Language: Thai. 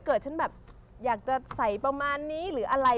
ฉันแบบอยากจะใส่ประมาณนี้หรืออะไร